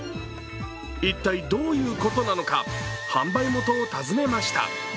一体どういうことなのか販売元を訪ねました。